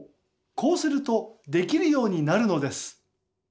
こうするとできるようになるのです。